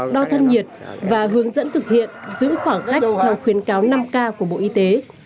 đo thân nhiệt và hướng dẫn thực hiện giữ khoảng cách theo khuyến cáo năm k của bộ y tế